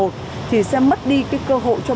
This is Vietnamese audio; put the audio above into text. thì sẽ mất đi cơ hội cho bệnh nhân